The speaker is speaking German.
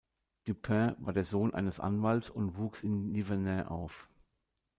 Dupin war der Sohn eines Anwalts und wuchs in Nivernais auf.